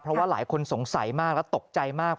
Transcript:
เพราะว่าหลายคนสงสัยมากและตกใจมาก